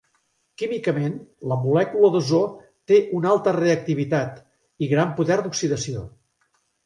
Químicament, la molècula d'ozó té una alta reactivitat i gran poder d'oxidació.